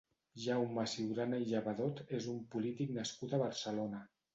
Jaume Ciurana i Llevadot és un polític nascut a Barcelona.